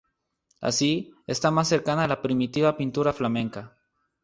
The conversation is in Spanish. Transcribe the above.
Así, está más cercana a la primitiva pintura flamenca.